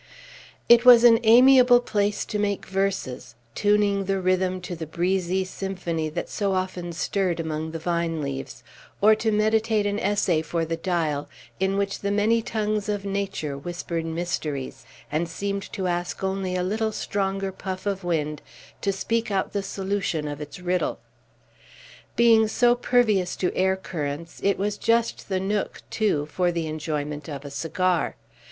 It was an admirable place to make verses, tuning the rhythm to the breezy symphony that so often stirred among the vine leaves; or to meditate an essay for "The Dial," in which the many tongues of Nature whispered mysteries, and seemed to ask only a little stronger puff of wind to speak out the solution of its riddle. Being so pervious to air currents, it was just the nook, too, for the enjoyment of a cigar.